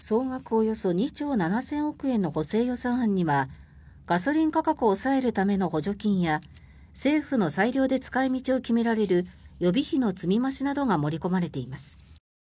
およそ２兆７０００億円の補正予算案にはガソリン価格を抑えるための補助金や政府の裁量で使い道を決められる予備費の積み増しなどが盛り込まれています。